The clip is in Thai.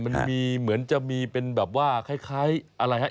มันมีเหมือนจะมีเป็นแบบว่าคล้ายอะไรฮะ